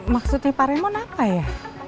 maksudnya pak remon apa ya